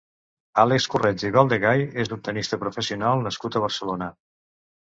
Àlex Corretja i Verdegay és un tennista professional nascut a Barcelona.